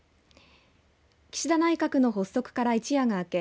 岸田内閣の発足から一夜が明け